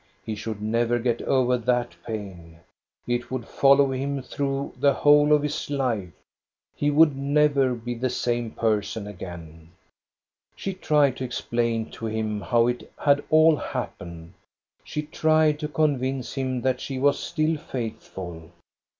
He should never get over that pain. It would follow him through the whole of his life. He would never be the same person again. She tried to explain to him how it had all hap pened. She tried to convince him that she was still faithful.